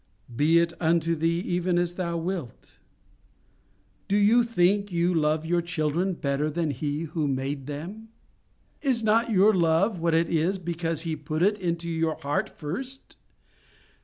"Be it unto thee even as thou wilt." Do you think you love your children better than He who made them? Is not your love what it is because He put it into your heart first?